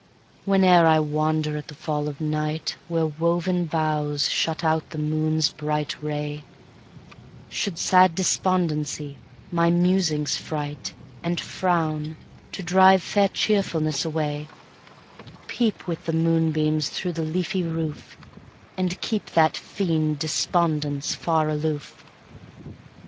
Whene'er I wander, at the fall of night, Where woven boughs shut out the moon's bright ray, Should sad Despondency my musings fright, And frown, to drive fair Cheerfulness away, Peep with the moon beams through the leafy roof, And keep that fiend Despondence far aloof.